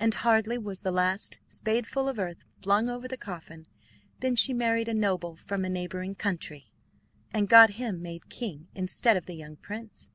And hardly was the last spadeful of earth flung over the coffin than she married a noble from a neighbouring country, and got him made king instead of the young prince.